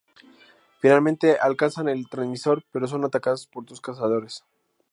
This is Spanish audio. Finalmente alcanzan el transmisor pero son atacadas por dos cazadores.